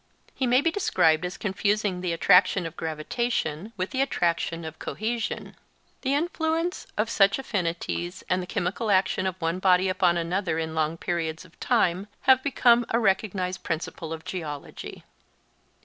He may be described as confusing the attraction of gravitation with the attraction of cohesion. The influence of such affinities and the chemical action of one body upon another in long periods of time have become a recognized principle of geology.